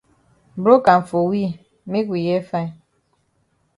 Broke am for we make we hear fine.